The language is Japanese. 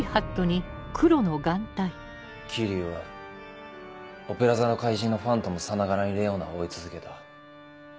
霧生は『オペラ座の怪人』のファントムさながらにレオナを追い続けた。